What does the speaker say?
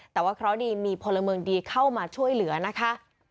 แต่ว่าเคราะห์ดีมีพลเมืองดีเข้ามาช่วยเหลือนะคะ